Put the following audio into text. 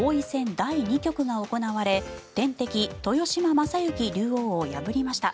第２局が行われ天敵・豊島将之竜王を破りました。